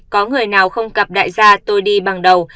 có người nào không gặp đại gia tôi đi bằng đầu